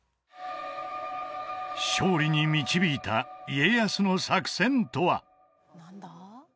勝利に導いた家康の作戦とは？